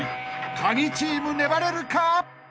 ［カギチーム粘れるか？］